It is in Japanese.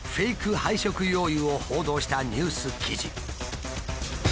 廃食用油を報道したニュース記事。